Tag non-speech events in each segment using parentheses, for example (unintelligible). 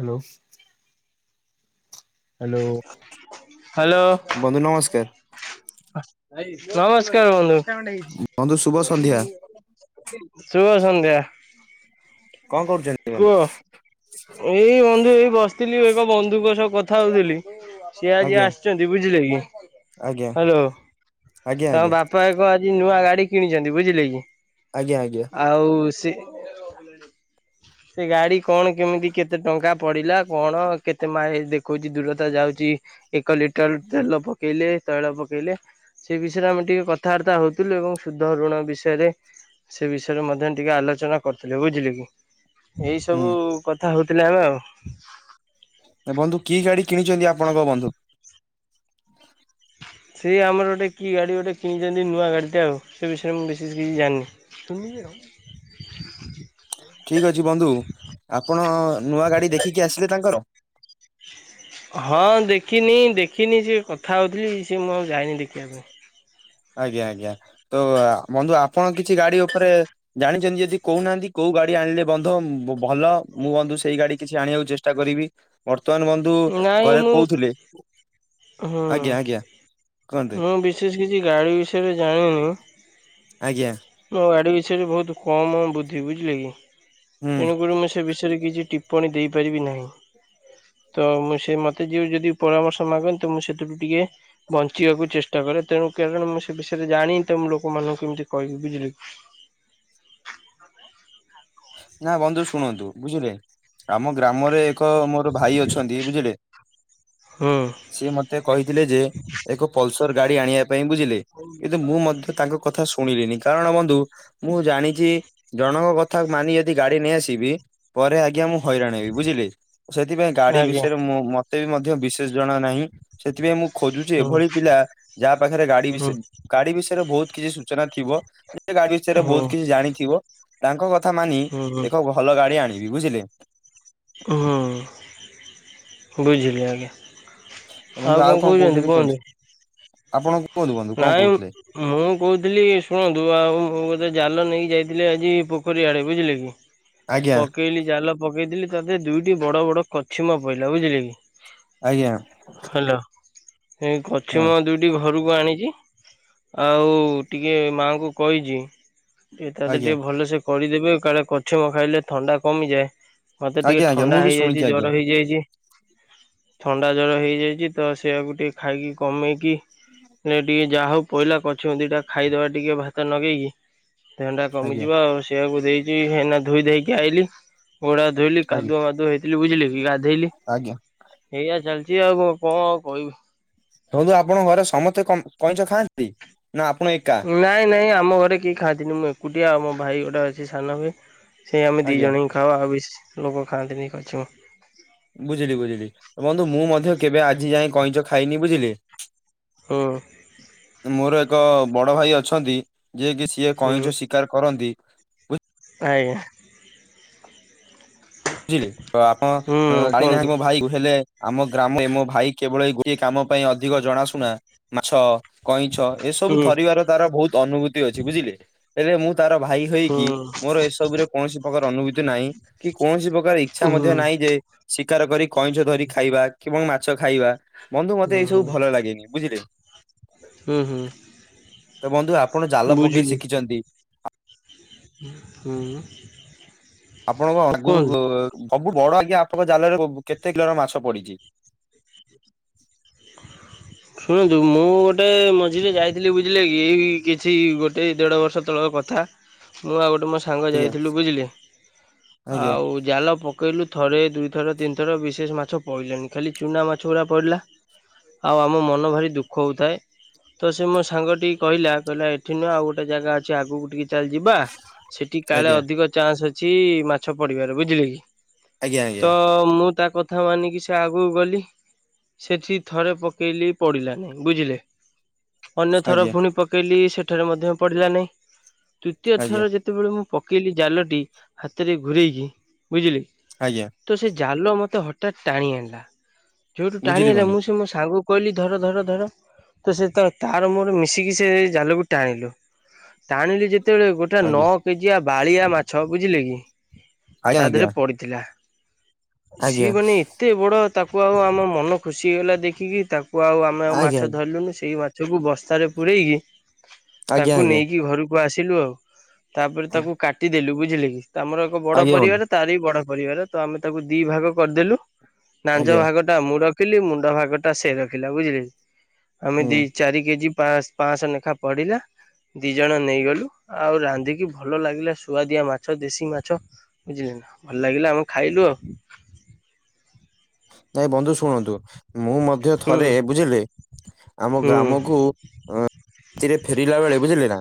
Hello. Hello hello ବନ୍ଧୁ ନମସ୍କାର। ନମସ୍କାର ବନ୍ଧୁ। ବନ୍ଧୁ ଶୁଭ ସନ୍ଧ୍ୟା ଶୁଭ ସନ୍ଧ୍ୟା। କଣ କରୁଚନ୍ତ କୁହ। ଏଇ ବନ୍ଧୁ ଏଇ ବସିଥିଲି ଏକ ବନ୍ଧୁଙ୍କ ସହ କଥା ହଉଥିଲି। ସିଏ ଆଜି ଆଜ୍ଞା ଆସିଚନ୍ତି ବୁଝିଲେ କି ଆଜ୍ଞା ହାଲୋ ଆଜ୍ଞା ଆଜ୍ଞା ତାମ ବାପା ପ ଏକ ଆଜି ନୂଆ ଗାଡି କିଣିଚନ୍ତି ବୁଝିଲେ କି। ଆଜ୍ଞ ଆଜ୍ଞା। ଆଉ ସେ ସେ ଗାଡି କଣ କେମିତି କେତେ ଟଙ୍କା ପଡିଲା କଣ କେତେ ମାଇ ଦେଖଉଚି ଦୂରତା ଯାଉଚି? ଏକ ଲିଟର ତଲ ପକେଇଲେ ତୈଳ ପକେଇଲେ ସେ ବିଷୟରେ ଆମେ ଟିକେ କଥାବାର୍ତ୍ତା ହଉଥିଲୁ ଏବଂ ଶୁଦ୍ଧ ଋଣ ବିଷୟରେ ସେ ବିଷୟରେ ମଧ୍ୟ ଟିକେ ଆଲୋଚନା କରିଥିଲେ ବୁଝିଲେ କି। ଏଇ ସବୁ ହୁଁ କଥା ହଉଥିଲେ ଆମେ ଆଉ। ବନ୍ଧୁ କି ଗାଡି କିଣିଚନ୍ତି ଆପଣଙ୍କ ବନ୍ଧୁ? ସେ ଆମର ଗୋଟେ କି ଗାଡ଼ି ଗୋଟେ କିଣିଚନ୍ତି ନୂଆ ଗାଡ଼ିଟା ଆଉ ସେ ବିଷୟରେ ମୁଁ ବିଶ କିଛି ଜାଣିନି। (unintelligible) ଠିକ ଅଛି ବନ୍ଧୁ ଆପଣ ନୂଆ ଗାଡି ଦେଖିକି ଆସିଲେ ତାଙ୍କର? ହଁ ଦେଖିନି ଦେଖିନି ସେ କଥା ହଉଥିଲି ସିଏ ମୁଁ ଯାଇନି ଆଉ ଦେଖିବା ପାଇଁ। ଆଜ୍ଞା ଆଜ୍ଞା ତ ବନ୍ଧୁ ଆପଣ କିଛି ଗାଡି ଉପରେ ଜାଣିଚନ୍ତି ଯଦି କହୁନାହାନ୍ତି କୋଉ ଗାଡି ଆଣିଲେ ବନ୍ଧୁ ଭ ଭଲ ମୁଁ ବନ୍ଧୁ ସେଇ ଗାଡି କିଛି ଆଣିବାକୁ ଚେଷ୍ଟା କରିବି। ବର୍ତ୍ତମାନ ବ କିନ୍ତୁ ନାଇଁ ଘରେ ମୁଁ କହୁଥିଲି ହୁଁ ଆଜ୍ଞା ଆଜ୍ଞା କୁହନ୍ତୁ। ସେଷ କିଛି ଗାଡ଼ି ବିଷୟରେ ଜାଣିନି। ଆଜ୍ଞା ମୋ ଗାଡ଼ି ବିଷୟରେ ବହୁତ କମ ବୁଦ୍ଧି ବୁଝିଲେ କି ହୁଁ ତେଣୁ କରି ମୁ ସେ ବିଷୟରେ କିଛି ଟିପ୍ପଣୀ ଦେଇପାରିବି ନାହିଁ। ତ ମୁଁ ସେ ମୋତେ ଯିଏ ଯଦି ପରାମର୍ଶ ମାଗନ୍ତି ମୁଁ ସେଥିଠୁ ଟିକେ ବଞ୍ଚିବାକୁ ଚେଷ୍ଟା କରେ ତେଣୁ କାରଣ ମୁଁ ସେ ବିଷୟରେ ଜାଣିନି ତ ମୁଁ ଲୋକମାନଙ୍କୁ କେମିତି କହିବି ବୁଝିଲେ କି। ନା ବନ୍ଧୁ ଶୁଣନ୍ତୁ ବୁଝିଲେ। ଆମ ଗ୍ରାମରେ ଏକ ମୋର ଭାଇ ଅଛନ୍ତି ବୁଝିଲେ। ହୁଁ। ସେ ମତେ କହିଥିଲେ ଯେ ଏକ ପଲସର ଗାଡି ଆଣିବା ପାଇଁ ବୁଝିଲେ କିନ୍ତୁ ମୁଁ ମଧ୍ୟ ତାଙ୍କ କଥା ଶୁଣିଲିନି କାରଣ ବନ୍ଧୁ ମୁଁ ଜାଣିଚି ଜଣଙ୍କ କଥା ଥା ମାନିକି ଯଦି ଗାଡି ନେଇ ଆସିବି ପରେ ଆଜ୍ଞା ମୁଁ ହଇରାଣ ହେବି ବୁଝିଲେ କି ସେଥିପାଇଁ ଗାଡି ଆଜ୍ଞା ବିଷୟରେ ମୁ ମତେ ବି ମଧ୍ୟ ବିଶେଷ ଜଣା ନାହିଁ। ସେଥିପାଇଁ ମୁଁ ଖୋଜୁଚି ହୁଁ ଏଭଳି ପିଲା ଯାହା ପାଖରେ ଗାଡି ହୁଁ ବିଷୟ ଗାଡି ବିଷୟରେ ବହୁତ କିଛି ସୂଚନା ଥିବ ଗାଡି ବିଷୟରେ ହୁଁ ବହୁତ କିଛି ଜାଣିଥିବ ତାଙ୍କ କ ମାନି ହୁଁ ଏକ ଭଲ ଗାଡି ଆଣିବି ବୁଝିଲେ। ହଁ ବୁଝଲି ଆଜ୍ଞା। ଆଉ କଣ କହୁଛନ୍ତି କୁହନ୍ତୁ। ଆପଣ କୁହନ୍ତୁ ବନ୍ଧୁ କଣ ନାଇଁ କହୁଥିଲେ ମୁଁ କହୁଥିଲି ଶୁଣନ୍ତୁ ଆଉ ମୁଁ ଜାଲ ନେଇକି ଯାଇଥିଲି ଆଜି ପୋଖରୀ ଆଡେ ବୁଝିଲେ କି ଆଜ୍ଞା ପକେଇଲି ଜାଲ ପକେଇଥିଲି ତା ଦୁଇଟି ବଡ ବଡ କଛିମ ପଇଲା ବୁଝିଲେ କି ଆଜ୍ଞା ହ୍ୟାଲୋ ହଁ କଛିମ ଦୁଇଟି ଘରକୁ ଆଣିଛି ଆଉ ଟିକେ ମାଙ୍କୁ କହିଛି ଯେ ତା ଆଜ୍ଞା ଟିକେ ଭଲସ କରିଦେବେ କାଳେ କଛିମ ଖାଇଲେ ଥଣ୍ଡା କମିଯାଏ ମତେ ଟିକେ ଆଜ୍ଞା ଆଜ୍ଞା ମୁଁ ଥଣ୍ଡା ବି ଶୁଣିଛି ହେଇଯାଇଛି ଆଜ୍ଞା ଜର ହେଇଯାଇଛି ଥଣ୍ଡା ଜର ହେଇଯାଇଛି ତ ସେଆକୁ ଟିକେ ଖାଇକି କମେଇକି (inaudible) ଯାହା ହଉ ପହିଲା କଛିମ ଦିଇ ଟା ଖାଇଦବା ଟିକେ ଭାତ ଲଗେଇକି ଥଣ୍ଡା ଟା ଆଜ୍ଞା କମିଯିବ ଆଉ ସେଇଆକୁ ଦେଇଛି ହେନା ଧୋଇଧୋଇକି ଆଇଲି ଗୋଡ଼ ହାତ ଧୋଇଲି ଆଜ୍ଞା କାଦୁଆ ମାଦୁଆ ହେଇଥିଲି ବୁଝିଲି କି ଗାଧେଇଲି ଆଜ୍ଞା। ଏଇଆା ଚାଲିଛି ଆଉ କଣ ଆଉ କହିବି କୁହନ୍ତୁ ଆପଣ ଘରେ ସମସ୍ତେ କଇଁଚ ଖାଆନ୍ତି ନା ଆପଣ ଏକା ନାଇଁ ନାଇଁ ଆମ ଘରେ କେହି ଖାଆନ୍ତିନି ମୁଁ ଏକୁଟିଆ ଆଉ ମୋ ଭାଇ ଗୋଟେ ଅଛି ସାନ ଭାଇ ସେ ଆମେ ଦି ଆଜ୍ଞା ଜଣ ଖାଉ ବେଶି ଲୋକ ଖାଆନ୍ତିନି କଛିମ ବୁଝିଲି ବୁଝିଲି ବନ୍ଧୁ ମୁଁ ମଧ୍ୟ କେବେ ଆଜି ଯାଏ କଇଁଚ ଖାଇନି ବୁଝିଲେ ହୁଁ ମୋର ଏକ ବଡ ଭାଇ ଅଛନ୍ତି ଯିଏ କି ସିଏ ହୁଁ କଇଁଛ ଶିକାର କରନ୍ତି ଆଜ୍ଞା ବୁଝିଲେ ତ ଆପଣ ହୁଁ କୁହନ୍ତୁ ଜାଣିନାହାନ୍ତି ମୋ ଭାଇ କୁ ହେଲେ ଆମ ଗ୍ରାମରେ ମୋ ଭାଇ କେବଳ ଗୋଟିଏ କାମ ପାଇଁ ଅଧିକ ଜଣାଶୁନା ମାଛ କଇଁଛ ଏସବୁ ହୁଁ ଧରିବାର ତାର ବହୁତ ଅନୁଭୂତି ଅଛି ବୁଝିଲେ ହେଲେ ମୁଁ ତାର ଭାଇ ହେଇକି ହୁଁ ମୋର ଏସବୁରେ କୌଣସି ପ୍ରକାର ଅନୁଭୂତି ନାହିଁ କି କୌଣସି ପ୍ରକାର ଇଚ୍ଛା ହୁଁ ମଧ୍ୟ ନାହିଁ ଯେ ଶିକାର କରି କଇଁଛ ଧରି ଖାଇବା କି ମାଛ ଖାଇବା ବନ୍ଧୁ ହୁଁ ମତେ ଏଇ ସବୁ ହୁଁ ଭଲ ଲାଗେନି ବୁଝିଲେ ହୁଁ ହୁଁ ତ ବନ୍ଧୁ ଆପଣ ଜାଲ ପକେଇ ବୁଝିଲି ଶିଖିଛନ୍ତି ହୁଁ ଆପଣଙ୍କ ଆଗରୁ କୁହନ୍ତୁ ସବୁ ବଡ ଆଜ୍ଞା ଆପଣଙ୍କ ଜାଲରେ କେତେ କିଲୋର ମାଛ ପଡିଛି (inaudible) ଶୁଣନ୍ତୁ ମୁଁ ଗୋଟେ ମଝିରେ ଯାଇଥିଲି ବୁଝିଲେ କି ଏଇ କିଛି ଗୋଟେ ଦେଢ଼ ବର୍ଷ ତଳର କଥା ମୁଁ ଆଉ ଗୋଟେ ମୋ ସାଙ୍ଗ ଆଜ୍ଞା ଯାଇଥିଲୁ ବୁଝିଲେ ଆଜ୍ଞା ଆଉ ଜାଲ ପକେଇଲୁ ଥରେ ଦୁଇଥର ତିନି ଥର ବିଶେଷ ମାଛ ପଡ଼ିଲଣିି ଖାଲି ଚୁନା ମାଛ ଗୁଡ଼ା ପଡ଼ିଲା ଆଉ ଆମ ମନ ଭାରି ଦୁଃଖ ହଉଥାଏ ତ ସେ ମୋ ସାଙ୍ଗଟି କହିଲା କହିଲା ଏଠି ନୁହେଁ ଆଉ ଗୋଟେ ଜାଗା ଅଛି ଆଗକୁ ଟିକେ ଚାଲ ଯିବା ସେଠି କାଳେ ଆଜ୍ଞା ଅଧିକ ଚାନ୍ସ ଅଛି ମାଛ ପଡିବାର ବୁଝିଲେ କି ଆଜ୍ଞା ଆଜ୍ଞା। ତ ମୁଁ ତାକୁ କଥା ମାନିକି ସେ ଆଗକୁ ଗଲି ସେଠି ଥରେ ପକେଇଲି ପଡିଲାନି ବୁଝିଲେ ଅନ୍ୟ ଥର ଆଜ୍ଞା ପୁଣି ପକେ ପକେଇଲି ସେଠାରେ ମଧ୍ୟ ପଡ଼ିଲା ନାହିଁ ତୂତୀୟ ଥର ଆଜ୍ଞା ଯେ ଯେତେବେଳେ ମୁଁ ପକେଇଲି ଜାଲଟି ହାତରେ ଘୁରେଇ କି ବୁଝିଲେ କି ଆଜ୍ଞା ତ ସେ ଜାଲ ମତେ ହଠାତ ଟାଣି ଆଣିଲା ଯୋଉଠୁ ଟାଣି ବୁଝିଲି ଆଇଲା ବନ୍ଧୁ ମୁଁ ମୁଁ ସାଙ୍ଗକୁ କହିଲି ଧର ଧର ଧର ତ ସେ ତାର ମୋର ମିଶିକି ସେ ଜାଲକୁ ଟାଣିଲୁ ଟାଣିଲି ଯେତେବେଳେ ଗୋଟେ ସେଟା ଆଜ୍ଞା ନଅ କେଜିଆ ବାଳିଆ ମାଛ ବୁଝିଲେ କି ତା ଆଜ୍ଞା ଦେହରେ ପଡି ଥିଲା ଆଜ୍ଞା। ଆସିବନି ଏତେ ବଡ଼ ତାକୁ ଆଉ ମନ ଖୁସି ହେଇଗଲା ଦେଖିକି ତାକୁ ଆଉ ଆମେ ଆଉ ମାଛ ଆଜ୍ଞା ଧରିଲୁନୁ ସେଇ ମାଛକୁ ବସ୍ତାରେ ପୂରେଇକି ଆଜ୍ଞା ଆଜ୍ଞା ତାଙ୍କୁ ଆଜ୍ଞା ନେଇକି ଘରକୁ ଆସିଲୁ ଆଉ, ତାପରେ ତାକୁ କାଟିଦେଲୁ ବୁଝିଲେ କି, ଆମର ବଡ ଆଜ୍ଞା ଆଜ୍ଞା ବନ୍ଧୁ ପରିବାର ତାର ବି ବଡ ପରିବାର ତ ଆମେ ତାକୁ ଦି ଭାଗ କରିଦେଲୁ ନାଞ୍ଜ ଆଜ୍ଞା ଭାଗ ଟା ମୁଁ ରଖିଲି ମୁଣ୍ଡ ଭାଗଟା ସେ ରଖିଲା ବୁଝିଲେ କି, ଆମେ ହୁଁ ଦି ଚାରି କେଜି ପାଂଶ ପାଂଶହ ଲେଖା ପଡିଲା। ଦି ଜଣ ନେଇଗଲୁ, ଆଉ ରାନ୍ଧିକି ଭଲ ଲାଗିଲା ସୁଆଦିଆ ମାଛ, ଦେଶୀ ମାଛ ବୁଝିଲେ ନା ଭଲ ଲାଗିଲା ଆମେ ଖାଇଲୁ ଆଉ। ନାଇଁ ବନ୍ଧୁ ଶୁଣନ୍ତୁ ମୁଁ ମଧ୍ୟ ହୁଁ ଥରେ ବୁଝିଲେ ଆମ ହୁଁ ଗ୍ରାମକୁ ଉଁ ରାତିରେ ଫେରିଲା ବେଳେ ବୁଝିଲେ ନା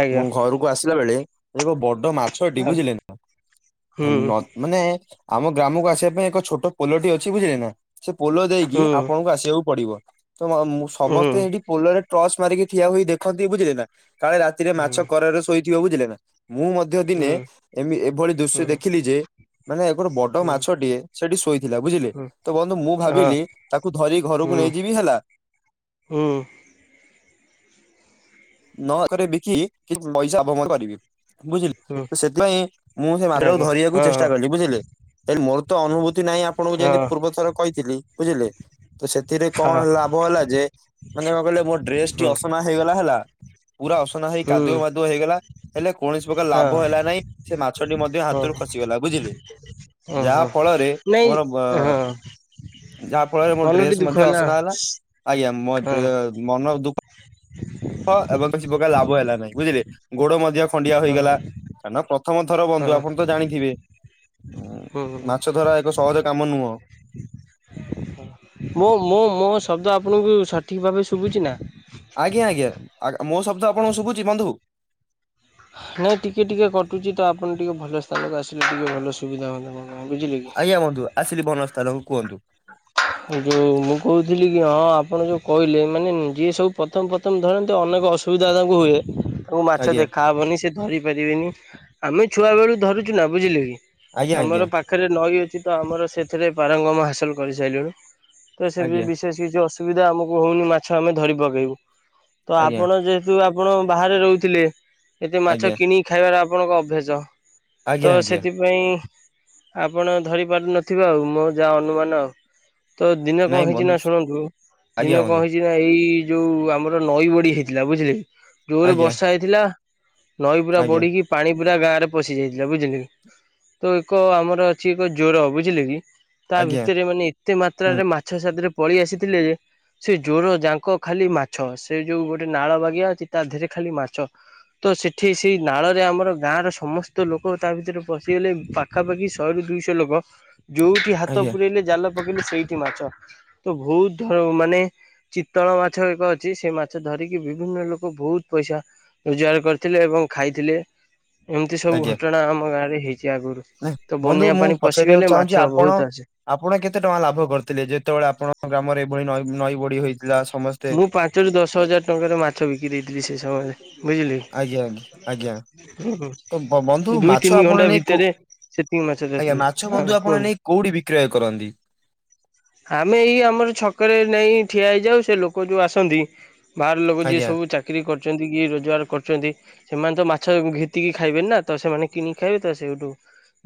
ଆଜ୍ଞା ମୁଁ ଘରୁ କୁ ଆସିଲା ବେଳେ ଏକ ବଡ ମାଛଟି ଆଉ ବୁଝିଲେ ନା, ହୁଁ ନ ମାନେ ଆମ ଗ୍ରାମକୁ ଆସିବା ପାଇଁ ଏକ ଛୋଟ ପୋଲଟି ଅଛି ବୁଝିଲେ ନା। ସେ ପୋଲ ଦେଇକି ହୁଁ ଆପଣଙ୍କୁ ଆସିଆକୁ ପଡିବ, ତ ମ ହୁଁ ହୁଁ ସମସ୍ତେ ସେଠି ପୋଲରେ ଟ୍ରର୍ଚ ମାରିକି ଠିଆ ହୋଇ ଦେଖନ୍ତି ବୁଝିଲେ ନା, କାଳେ ରାତିରେ ମାଛ କରରେ ଶୋଇ ଥିବ ବୁଝିଲ ନା, ମୁଁ ମ ମଧ୍ୟ ଦିନେ ହୁଁ ଏମି ଏଭଳି ଦୃଶ୍ୟ ହୁଁ ଦେଖିଲି ଯେ, ମାନେ ଗୋଟେ ବଡ ହୁଁ ହୁଁ ମାଛଟିଏ ସେଠି ଶୋଇ ଥିଲା ବୁଝିଲେ। ତ ବନ୍ଧୁ ମୁଁ ହଁ ଭାବିଲି ତାକୁ ଧରି ଘରକୁ ହୁଁ ନେଇଯିବି ହେଲା। ହୁଁ। ନଅ ଏକର ବିକି କିଛି ପଇସା ଅବମୟ କରିବି ବୁଝିଲ। ହୁଁ ତ ସେଥିପାଇଁ ମୁଁ ସେ ମାଛଟାକୁ ଆଜ୍ଞା ଧରିବାକୁ ହଁ ଚେଷ୍ଟା କଲି ବୁଝିଲେ। ହେଲେ ମୋର ତ ଅନୁଭୂତି ନାହିଁ ଆପଣଙ୍କୁ ହଁ ଯେମିତି ପୂର୍ବ ଥର କହିଥିଲି ବୁଝିଲେ, ତ ସେ ଥିରେ ହଁ। କଣ ଲାଭ ହେଲା ଯେ ମାନେ କଁ କହିଲେ ମୋ ଡ୍ରେସ ହୁଁ ଟି ଅସନା ହେଇଗଲା ହେଲା। ପୁରା ଅସନା ହେଇ ହୁଁ କାଦୁଅ ମାଦୁଅ ହେଇଗଲା। ହେଲେ କୌଣସି ପ୍ରକାର ହଁ ଲାଭ ହେଲା ନାହିଁ ସେ ମାଛଟି ମଧ୍ୟ ହଁ ହାତରୁ ଖସିଗଲା ବୁଝିଲେ। ଓହୋ ଯାହାଫଳରେ ନାଇଁ ମୋର ହଁ ଯାହାଫଳରେ ମୋ ମନ ଟିକେ ଡ୍ରେସ ଦୁଃଖ ମଧ୍ୟ ଅସନା ହେଲା, ଆଜ୍ଞା ମୋ ହଁ ମନ ଦୁଃଖ (unintelligible) ହଁ ଏବଂ କିଛି ପ୍ରକାର ଲାଭ ହେଲା ନାହିଁ ବୁଝିଲେ। ଗୋଡ ମଧ୍ୟ ଖଣ୍ଡିଆ ହଁ ହୋଇଗଲା। କାଇଁନା ପ୍ରଥମ ଥର ହଁ ବନ୍ଧୁ ଆପଣ ତ ଜାଣିଥିବେ। ହୁଁ ମାଛଧରା ଏକ ସହଜ କାମ ନୁହଁ। ମୁଁ-ମୁଁ-ମୁଁ ମୋ ଶବ୍ଦ ଆପଣଙ୍କୁ ସଠିକ ଭାବେ ଶୁଭୁଛି ନା? ଆଜ୍ଞା ଆଜ୍ଞା ଆ ମୋ ଶବ୍ଦ ଆପଣଙ୍କୁ ଶୁଭୁଚି ବନ୍ଧୁ? ନାଇଁ ଟିକେ ଟିକେ କଟୁଚି ତ ଆପଣ ଟିକେ ଭଲ ସ୍ଥାନକୁ ଆସିଲେ ଟିକେ ଭଲ ସୁବିଧା ହୁଅନ୍ତା। ପାଇଁ ବୁଝିଲେ କି। ଆଜ୍ଞା ବନ୍ଧୁ ଆସିଲି ଭଲ ସ୍ଥାନକୁ କୁହନ୍ତୁ? ଯୋଉ ମୁଁ କହୁଥିଲି କି ହଁ ଆପଣ ଯୋଉ କହିଲେ ମାନେ ଯିଏ ସବୁ ପ୍ରଥମ ପ୍ରଥମ ପ୍ରଥମ ଧରନ୍ତି ଅନେକ ଅସୁବିଧା ତାଙ୍କୁ ହୁଏ। ତାଙ୍କୁ ମାଛ ଆଜ୍ଞା ଦେଖା ହେବେନି ସେ ଧରି ପାରିବେନି, ଆମେ ଛୁଆ ବେଳୁ ଧରୁଛୁ ନା ବୁଝିଲେ କି। ଆଜ୍ଞା ଆଜ୍ଞା ଆମର ପାଖରେ ନଈ ଅଛି ତ ଆମର ସେଥିରେ ପାରଙ୍ଗମ ହାସଲ କରିସାରିଲୁଣି। ତ ସେ ଆଜ୍ଞା ବିଶେଷ କିଛି ଅସୁବିଧା ଆମକୁ ହଉନି ମାଛ ଆମେ ଧରି ପକେଇବୁ, ତ ଆଜ୍ଞା ଆପଣ ଯେ ହେତୁ ଆପଣ ବାହାରେ ରହୁଥିଲେ, ଏତେ ମାଛ ଆଜ୍ଞା କିଣିକି ଖାଇବାର ଆପଣଙ୍କ ଅଭ୍ୟାସ। ତ ଆଜ୍ଞା ଆଜ୍ଞା ସେଥିପାଇଁ ଆପଣ ଧରି ପାରୁନଥିବେ ଆଉ ମୋର ଯାହା ଅନୁମାନ ଆଉ। ତ ଦିନେ କଁ ନାଇଁ ହେଇଚି ବନ୍ଧୁ ନା ଶୁଣନ୍ତୁ, ଆଜ୍ଞା ଦିନେ କଁ ବନ୍ଧୁ ହେଇଚି ନା ଏଇ ଯୋଉ ଆମର ନଈବଢି ହେଇଥିଲା ବୁଝିଲେ, ଯୋରେ ଆଜ୍ଞା ବର୍ଷା ହେଇଥିଲା। ନଈ ପୁରା ଆଜ୍ଞା ବଢିକି ପାଣି ପୁରା ଗାଁରେ ପଶି ଯାଇଥିଲା ବୁଝିଲେ। ତ ଏକ ଆମର ଅଛି ଏକ ଜୋର ବୁଝିଲେ କି, ତା ଆଜ୍ଞା ଭିତରେ ମାନେ ଏ ଏତେ ହୁଁ ମାତ୍ରାରେ ମାଛ ସେଥିରେ ପଳେଇ ଆସିଥିଲେ ଯେ ସେ ଜୋର ଯାଙ୍କ ଖାଲି ମାଛ, ସେ ଯୋଉ ଗୋଟେ ନାଳ ବାଗିଆ ଅଛି ତା ଦେହରେ ଖାଲି ମାଛ। ତ ସେଠି ସେଇ ନାଳରେ ଆମର ଗାଁର ସମସ୍ତ ଲୋକ ତା ଭିତରେ ପଶିଗଲେ ପା ପାଖାପାଖି ଶହେରୁ ଦୁଇଶ ଲୋକ, ଯୋଉଠି ହାତ ଆଜ୍ଞା ପୁରେଇଲେ ଜାଲ ପକେଇଲେ ସେଇଠି ମାଛ। ତ ବହୁତ ଧର ମାନେ ଚିତ୍ତଳ ମାଛ ଏକ ଅଛି ସେ ମାଛ ଧରିକି ବିଭିନ୍ନ ଲୋକ ବହୁତ ପଇସା ରୋଜଗାର କରିଥିଲେ ଏବଂ ଖାଇଥିଲେ। ଏମତି ସବୁ ଆଜ୍ଞା ଘଟଣା ଆମ ଗାଁରେ ହେଇଚି ଆଗୁରୁ। ବନ୍ଧୁ ମୁଁ ପଛାଇଦବାକୁ ଚାହୁଁଛି ଆପଣ ବହୁତ ଆସେ। ଆପଣ କେତେ ଟଙ୍କା ଲାଭ କରିଥିଲେ ଯେତେବେଳେ ଆପଣଙ୍କ ଗ୍ରାମରେ ଏଭଳି ନଇ ନଈ ବଡି ହେଇଥିଲା ସମ ମୁଁ ପାଞ୍ଚ ରୁ ଦଶ ହଜାର ଟଙ୍କାରେ ମାଛ ବିକି ଦେଇଥିଲି ସେ ସମୟରେ। ବୁଝିଲି ଆଜ୍ଞା ଆଜ୍ଞା ଆଜ୍ଞା ତ ବ ବନ୍ଧୁ ଦୁଇ ମାଛ ତିନି ଆପଣ ଘଣ୍ଟା ନେଇ କୋ ଭିତରେ ସେତିକି ମାଛ ଆଜ୍ଞା ଯାଇଥିଲେ ମାଛ ହଁ ବନ୍ଧୁ ଆପଣ କୁହନ୍ତୁ। ନେଇ କୋଉଠି ବିକ୍ରୟ କରନ୍ତି? ଆମେ ଏଇ ଆମର ଛକରେ ନେଇ ଠିଆ ହେଇଯାଉ ସେ ଲୋକ ଯୋଉ ଆସନ୍ତି ବାହାର ଲୋକ ଯିଏ ଆଜ୍ଞା ସବୁ ଚାକିରି କରୁଛନ୍ତି କିଏ ରୋଜଗାର କରୁଛନ୍ତି ସେମାନେ ତ ମାଛ ଘିତିିକି ଖାଇବେ ନା ତ ସେମାନେ କିଣିକି ଖାଇବେ ତ ସେଇଠୁ।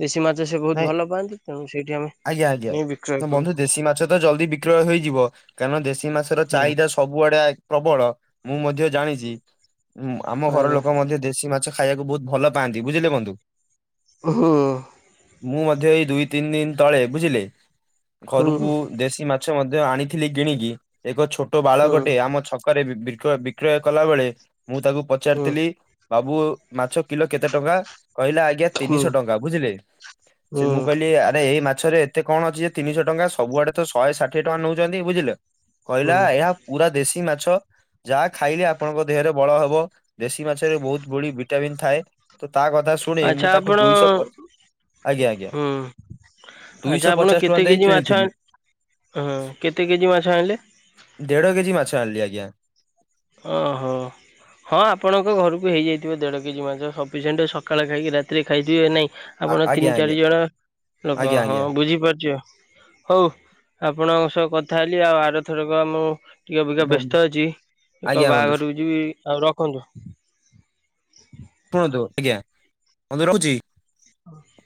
ଦେଶୀ ମାଛ ସେ ବହୁତ ନାଇଁ ଭଲ ପାଆନ୍ତି ତେଣୁ ସେଇଠି ଆମେ ଆଜ୍ଞା ଆଜ୍ଞା ନେଇ ବିକ୍ରୟ ତ କରୁ ବନ୍ଧୁ ଦେଶୀ ମାଛ ତ ଜଲଦି ବିକ୍ରୟ ହେଇଯିବ କାରଣ ଦେଶୀ ମାଛର ହୁଁ ଚାହିଦା ସବୁଆଡେ ପ୍ରବଳ ମୁଁ ମଧ୍ୟ ଜାଣିଛି ଆମ ଘର ଆଜ୍ଞା ଲୋକ ମଧ୍ୟ ଦେଶୀ ମାଛ ଖାଇବାକୁ ବହୁତ ଭଲ ପାଆନ୍ତି ବୁଝିଲେ ବନ୍ଧୁ। ହୁଁ। ମୁଁ ମଧ୍ୟ ଏଇ ଦୁଇ ତିନି ଦିନ ତଳେ ବୁଝିଲେ ଘରକୁ ହୁଁ ଦେଶୀ ମା ଛ ମଧ୍ୟ ଆଣିଥିଲି କିଣିକି ଏକ ଛୋଟ ବାଳକଟେ ଆମ ଛ କରେ ବିକ ବିକ୍ରୟ କଲା ବେଳେ ମୁଁ ତାକୁ ହୁଁ ପଚାରିଥିଲି। ବାବୁ ମାଛ କିଲୋ କେତେ ଟଙ୍କା? କହିଲା ଆଜ୍ଞା ହୁଁ ହୁଁ ତିନିଶହ ଟଙ୍କା ବୁଝିଲେ ସେ ହୁଁ ମୁଁ କହିଲି ଆରେ ଏଇ ମା ଛରେ ଏତେ କଣ ଅଛି ଯେ ତିନିଶହ ଟଙ୍କା ସବୁଆଡେ ତ ଶହେ ଷାଠିଏ ଟଙ୍କା ନେଉଛନ୍ତି ବୁଝିଲେ କହିଲା ହୁଁ ଏହା ପୁରା ଦେଶୀ ମାଛ। ଯାହା ଖାଇଲେ ଆପଣଙ୍କ ଦେହରେ ବଳ ହବ ଦେଶୀ ମାଛରେ ବହୁତ ବଢି ଭିଟାମିିନ ଥାଏ। ତ ତା କଥା ଶୁ ଆଚ୍ଛା ଆପଣ ଆଜ୍ଞା ଆଜ୍ଞା ହୁଁ। ଆଚ୍ଛା ଦୁଇଶହ ଆପଣ ପଚାଶ ଟଙ୍କା କେତେ ଦେଇ କେଜି ମାଛ ଆ କିଣିଥିଲି ହଁ କେତେ କେଜି ମାଛ ଆଣିଲେ? ଦେଢ କେଜି ମାଛ ଆଣିଲି ଆଜ୍ଞା। ଓ ହୋ। ହଁ ଆପଣଙ୍କ ଘରକୁ ହେଇଯାଇଥିବ ଦେଢ କେଜି ମାଛ ସଫିସିଣ୍ଟ ସକାଳେ ଖାଇକି ରାତିରେ ଖାଇଥିବେ ନାଇଁ। ଆ- ଆପଣ ଆଜ୍ଞା ତିନି ଆଜ୍ଞା ଚାରି ଜଣ ଲୋକ ଆଜ୍ଞା ହଁ ଆଜ୍ଞା ବୁଝିପାରୁଛି ଅ। ହଉ ଆପଣଙ୍କ ସହ କଥା ହେଲି ଆଉ ଆର ଥରକ ଆମର ଟିକେ ଅପେକ୍ଷା ବ- ବ୍ୟସ୍ତ ଅଛି। ଏକ ଆଜ୍ଞା ବନ୍ଧୁ ବାହାଘରକୁ ଯିବି ଆଉ ରଖନ୍ତୁ। ଶୁଣନ୍ତୁ ଆଜ୍ଞା ହନ୍ତୁ ରହୁଛି। (inaudible)